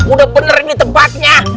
udah bener ini tempatnya